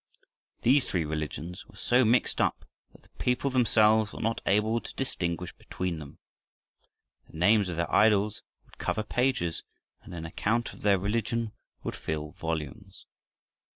These three religions were so mixed up that the people themselves were not able to distinguish between them. The names of their idols would cover pages, and an account of their religion would fill volumes.